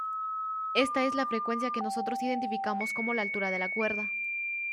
Esta es la frecuencia que nosotros identificamos como la altura de la cuerda.